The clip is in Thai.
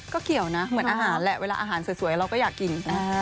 ก็เกี่ยวนะเหมือนอาหารแหละเวลาอาหารสวยเราก็อยากกินนะ